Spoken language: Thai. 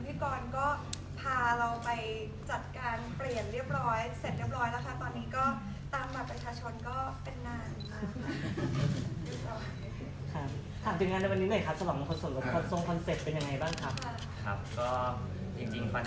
พี่กอลก็พาเราไปจัดการเปลี่ยนเรียบร้อย